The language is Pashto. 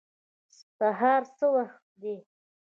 سهار څه وخت دی؟